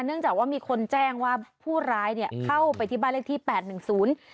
เนื่องจากว่ามีคนแจ้งว่าผู้ร้ายเนี่ยเข้าไปที่บ้านเลขที่แปดหนึ่งศูนย์